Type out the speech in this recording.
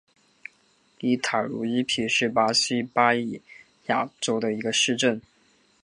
伊塔茹伊皮是巴西巴伊亚州的一个市镇。